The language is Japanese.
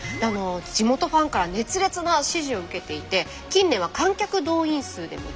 地元ファンから熱烈な支持を受けていて近年は観客動員数でも上位。